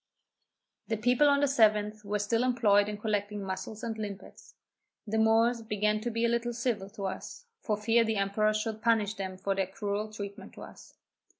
The people on the 7th were still employed in collecting muscles and limpets. The Moors began to be a little civil to us, for fear the emperor should punish them for their cruel treatment to us.